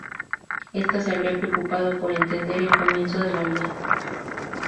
Esta se habría preocupado por entender el comienzo de la vida anímica.